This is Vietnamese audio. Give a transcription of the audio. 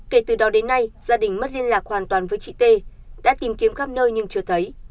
kể từ đó đến nay gia đình mất liên lạc hoàn toàn với chị t đã tìm kiếm khắp nơi nhưng chưa thấy